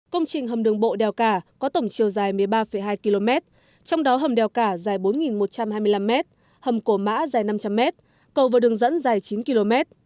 công trình hầm đường bộ đèo cả có tổng chiều dài một mươi ba hai km trong đó hầm đèo cả dài bốn một trăm hai mươi năm m hầm cổ mã dài năm trăm linh m cầu vừa đường dẫn dài chín km